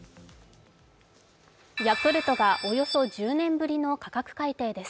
ヤクルトがおよそ１０年ぶりの価格改定です。